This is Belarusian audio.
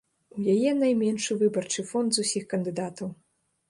У яе найменшы выбарчы фонд з усіх кандыдатаў.